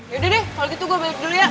yaudah deh kalau gitu gue balik dulu ya